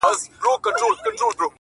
هغه د زړونو د دنـيـا لــه درده ولـوېږي،